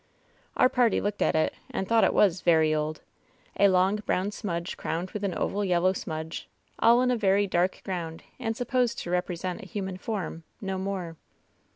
Our party looked at it and thought it was "very old" — a long brown smudge crowned with an oval yellow smudge, all in a very dark ground, and supposed to represent a human form — ^no more.